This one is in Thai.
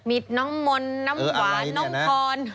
มีน้องมนต์น้ำหวานน้องพร